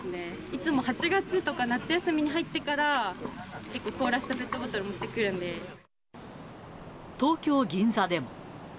いつも８月とか夏休みに入ってから、結構、凍らせたペットボトルとか東京・銀座でも。